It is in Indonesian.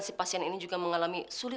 coba digerakin ke kiri